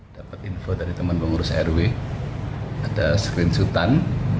dapat info dari teman pengurus rw ada screenshotan